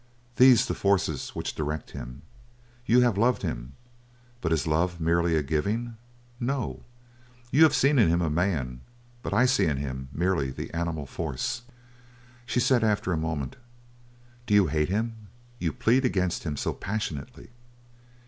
These the forces which direct him. You have loved him; but is love merely a giving? No, you have seen in him a man, but I see in him merely the animal force." She said after a moment: "Do you hate him you plead against him so passionately?"